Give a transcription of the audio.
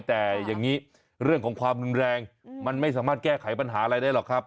แต่อย่างนี้เรื่องของความรุนแรงมันไม่สามารถแก้ไขปัญหาอะไรได้หรอกครับ